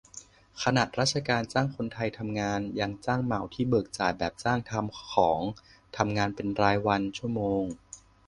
ขนาดราชการจ้างคนไทยทำงาน ยัง "จ้างเหมา" ที่เบิกจ่ายแบบ "จ้างทำของ" ทำงานเป็นรายวัน-ชั่วโมง